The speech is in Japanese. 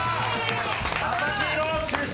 佐々木朗希選手。